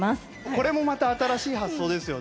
これもまた新しい発想ですよね。